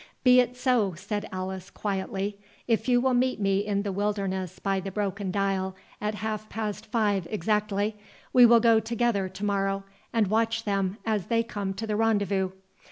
"Be it so," said Alice, quietly; "if you will meet me in the wilderness by the broken dial at half past five exactly, we will go together to morrow, and watch them as they come to the rendezvous.